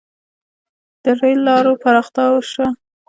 • د رېل لارو پراختیا وشوه.